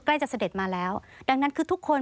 ใกล้จะเสด็จมาแล้วดังนั้นคือทุกคน